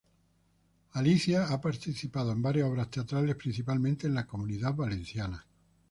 Alicia ha participado en varias obras teatrales, principalmente en la Comunidad Valenciana.